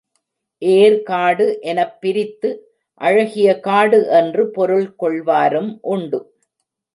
ஏர் காடு எனப் பிரித்து, அழகிய காடு என்று பொருள் கொள்வாரும் உண்டு.